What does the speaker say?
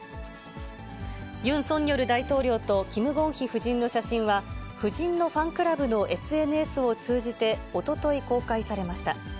ユン・ソンニョル大統領とキム・ゴンヒ夫人の写真は、夫人のファンクラブのＳＮＳを通じておととい公開されました。